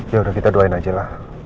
yaudah kita doain aja lah